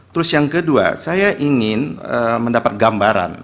terus yang kedua saya ingin mendapat gambaran